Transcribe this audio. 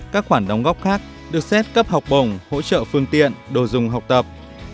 các khoản đóng góp khác được xét cấp học bổng hỗ trợ phương tiện đồ dùng học tập